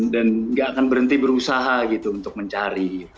dan gak akan berhenti berusaha gitu untuk mencari